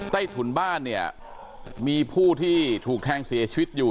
ถุนบ้านเนี่ยมีผู้ที่ถูกแทงเสียชีวิตอยู่